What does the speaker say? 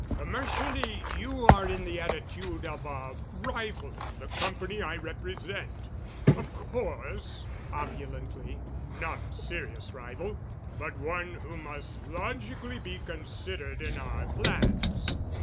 Commercially you are in the attitude of a rival of the company I represent. Of course"—opulently—"not a serious rival, but one who must logically be considered in our plans.